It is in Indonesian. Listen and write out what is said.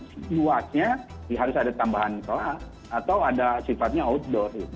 sejuahnya harus ada tambahan sekolah atau ada sifatnya outdoor